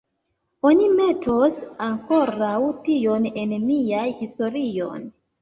Oni metos ankoraŭ tion en mian historion.